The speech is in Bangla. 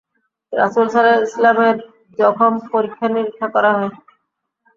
রাসূল সাল্লাল্লাহু আলাইহি ওয়াসাল্লাম-এর জখম পরীক্ষা-নিরীক্ষা করা হয়।